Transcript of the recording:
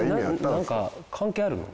なんか関係あるの？